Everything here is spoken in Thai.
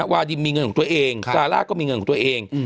วาดิมมีเงินของตัวเองซาร่าก็มีเงินของตัวเอง